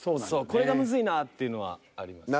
これがむずいなっていうのはあります。